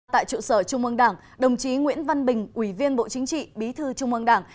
tại trụ sở trung ương đảng đồng chí nguyễn văn bình ủy viên bộ chính trị bí thư trung ương đảng